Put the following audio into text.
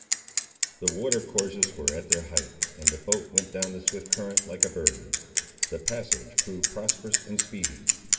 The water courses were at their height, and the boat went down the swift current like a bird. The passage proved prosperous and speedy.